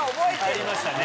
入りましたね